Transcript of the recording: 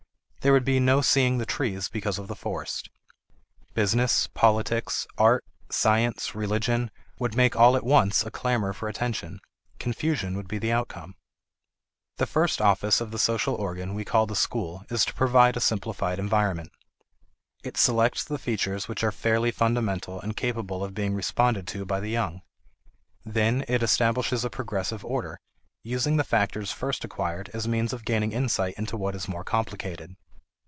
There would be no seeing the trees because of the forest. Business, politics, art, science, religion, would make all at once a clamor for attention; confusion would be the outcome. The first office of the social organ we call the school is to provide a simplified environment. It selects the features which are fairly fundamental and capable of being responded to by the young. Then it establishes a progressive order, using the factors first acquired as means of gaining insight into what is more complicated.